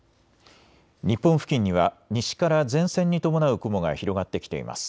日本付近には西から前線に伴う雲が広がってきています。